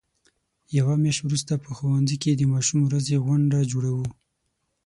یوه میاشت وروسته په ښوونځي کې د ماشوم ورځې غونډه جوړو.